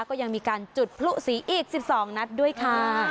ก็ยังมีการจุดพลุสีอีก๑๒นัดด้วยค่ะ